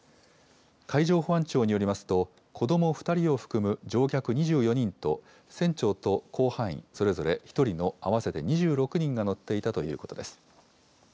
海上保安庁によりますと、子ども２人を含む乗客２４人と船長と甲板員それぞれ１人の合わせて２６人が乗っていたということです。